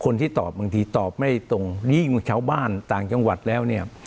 คนที่ตอบบางทีตอบไม่ตรงนี้อยู่ชาวบ้านต่างจังหวัดแล้วเนี่ย